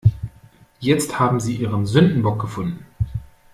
Jetzt haben sie ihren Sündenbock gefunden.